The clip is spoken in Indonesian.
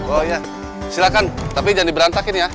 oh iya silahkan tapi jangan di berantakin ya